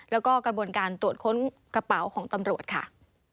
แล้วก็กระบวนการตรวจค้นกระเป๋าของตำรวจค่ะ